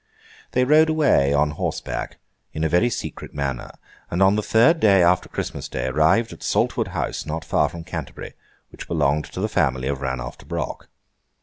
They rode away on horseback, in a very secret manner, and on the third day after Christmas Day arrived at Saltwood House, not far from Canterbury, which belonged to the family of Ranulf de Broc.